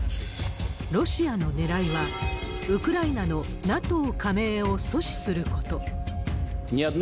ロシアのねらいは、ウクライナのＮＡＴＯ加盟を阻止すること。